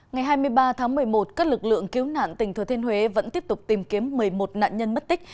ngày hai mươi ba tháng một mươi một các lực lượng cứu nạn tỉnh thừa thiên huế vẫn tiếp tục tìm kiếm một mươi một nạn nhân mất tích